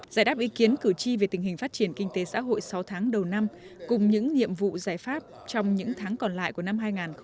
giải đáp ý kiến cử tri về tình hình phát triển kinh tế xã hội sáu tháng đầu năm cùng những nhiệm vụ giải pháp trong những tháng còn lại của năm hai nghìn hai mươi